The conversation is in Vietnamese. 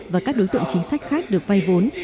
và các đối tượng chính sách khác được vay vốn